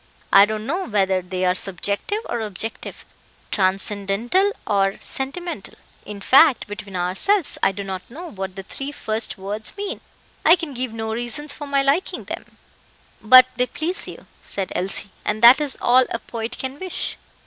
I don't know whether they are subjective or objective transcendental or sentimental. In fact, between ourselves, I do not know what the three first words mean. I can give no reason for my liking them." "But they please you," said Elsie; "and that is all a poet can wish."